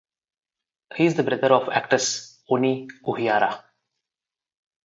He is the brother of actress Ony Uhiara.